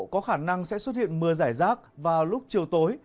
có khả năng sẽ xuất hiện mưa giải rác vào lúc chiều tối